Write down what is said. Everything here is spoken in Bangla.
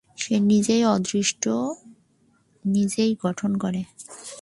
সে নিজের অদৃষ্ট নিজেই গঠন করে।